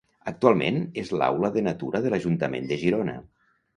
Actualment és l'aula de Natura de l'ajuntament de Girona.